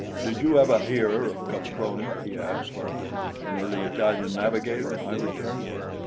"Did you ever hear of Caproni?" he asked. "An early Italian navigator?" I returned.